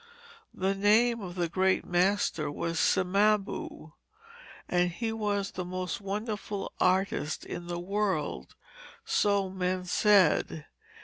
The name of the great master was Cimabue, and he was the most wonderful artist in the world, so men said.